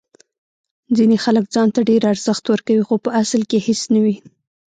ځینې خلک ځان ته ډیر ارزښت ورکوي خو په اصل کې هیڅ نه وي.